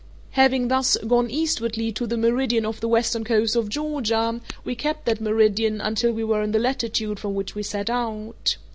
Having thus gone eastwardly to the meridian of the western coast of Georgia, we kept that meridian until we were in the latitude from which we set out.